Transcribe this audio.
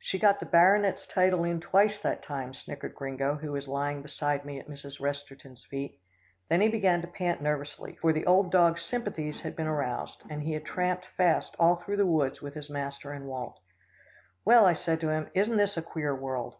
"She got the baronet's title in twice that time," snickered Gringo who was lying beside me at Mrs. Resterton's feet. Then he began to pant nervously, for the old dog's sympathies had been aroused, and he had tramped fast all through the woods with his master and Walt. "Well," I said to him, "isn't this a queer world?